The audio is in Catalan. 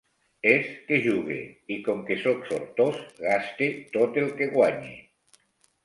És que jugue; i, com que sóc sortós, gaste tot el que guanye.